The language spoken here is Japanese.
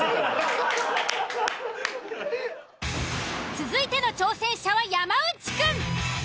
続いての挑戦者は山内くん。